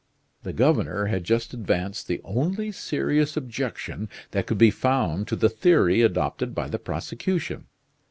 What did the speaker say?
The governor had just advanced the only serious objection that could be found to the theory adopted by the prosecution.